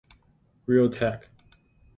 Realtek